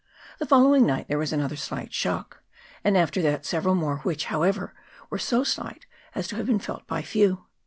The following night there was another slight shock, and after that several more, which, however, were so slight as to have been felt by few.